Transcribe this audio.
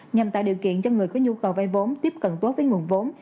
nhằm tạo điều kiện cho người có nhu cầu vay vốn tiếp cận tốt với nguồn vốn